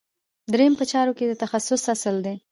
دریم په چارو کې د تخصص اصل دی.